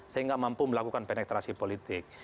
sehingga mampu melakukan penetrasi politik